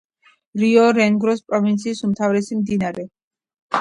რიო-ნეგროს პროვინციის უმთავრესი მდინარე.